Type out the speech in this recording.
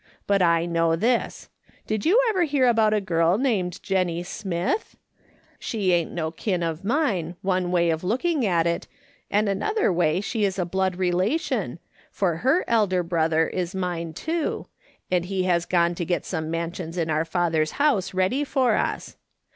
But I know this : Did you ever hear about a girl named Jennie Smith ? She ain't no kin of mine, one way of looking at it, and another way she is a blood relation, for her Elder Brother is mine, too, and he has gone to get some mansions in 140 MA'S. SOLOMON SMITH LOOKING ON. our Father's liouse ready for us.